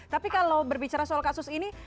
tapi kalau berbicara soal kasus ini